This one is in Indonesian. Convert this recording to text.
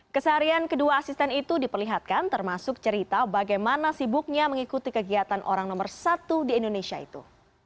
keseharian kedua asisten itu diperlihatkan termasuk cerita bagaimana sibuknya mengikuti kegiatan orang nomor satu di indonesia itu